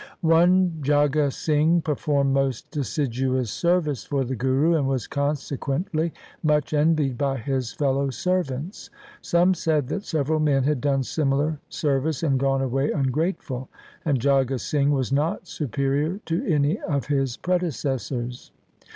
One Jagga Singh performed most assiduous ser vice for the Guru, and was consequently much envied by his fellow servants. Some said that several men had done similar service and gone away ungrateful, and Jagga Singh was not superior to any of his predecessors.